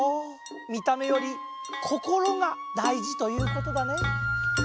みためより心がだいじということだね。